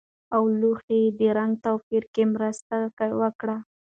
اولو ښايي د رنګ توپیر کې مرسته وکړي.